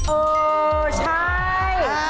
เออใช่